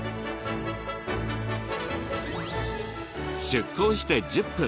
出航して１０分。